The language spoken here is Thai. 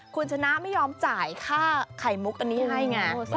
คุณชนะไม่ยอมจ่ายค่าไข่มุกอันนี้ให้ไง